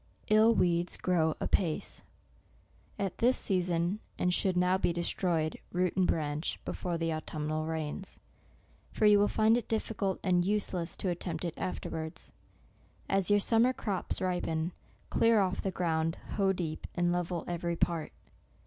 " 77/ weeds grow apace," y at this season, and should now be destroyed, root and branch, before the autumnal rains ; for you will find it difficult and useless to at tempt it afterwards. As your summer crops ripen, clear off the ground, hoe deep, and level every part.